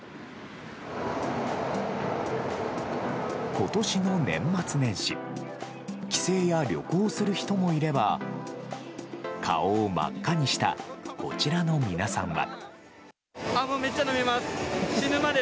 今年の年末年始帰省や旅行する人もいれば顔を真っ赤にしたこちらの皆さんは。